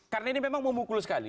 karena ini memang memukul sekali